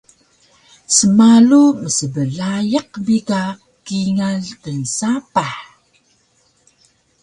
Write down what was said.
Smulu msblaiq bi ka kingal tnsapah